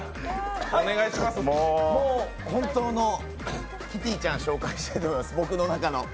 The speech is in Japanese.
もう、本当のキティちゃん、紹介したいと思います、僕の中の。